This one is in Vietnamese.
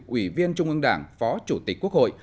ủy viên trung ương đảng phó chủ tịch quốc hội